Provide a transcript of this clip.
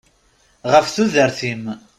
Ɣef tudert-im.